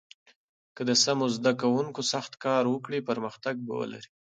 که د سمو زده کوونکو سخت کار وکړي، پرمختګ به ولري.